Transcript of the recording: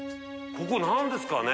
ここ何ですかね？